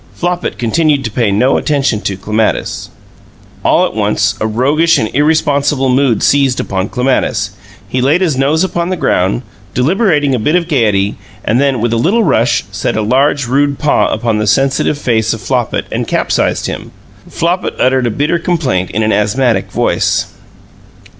Flopit continued to pay no attention to Clematis. All at once, a roguish and irresponsible mood seized upon Clematis; he laid his nose upon the ground, deliberating a bit of gaiety, and then, with a little rush, set a large, rude paw upon the sensitive face of Flopit and capsized him. Flopit uttered a bitter complaint in an asthmatic voice.